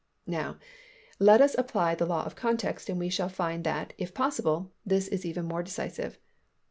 Now let us apply the law of context, and we shall find that, if possible, this is even more decisive.